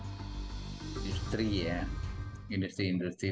industri ya industri industri